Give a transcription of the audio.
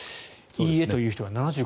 いいえという人は７５％。